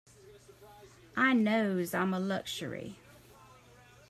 I knows I'm a luxury.